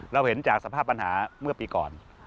เราเห็นจากสภาพปัญหาเมื่อปีก่อน